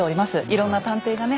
いろんな探偵がね